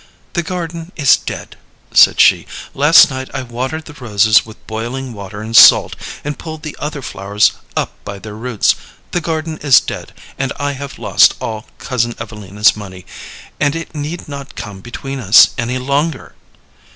"The garden is dead," said she. "Last night I watered the roses with boiling water and salt, and I pulled the other flowers up by their roots. The garden is dead, and I have lost all Cousin Evelina's money, and it need not come between us any longer."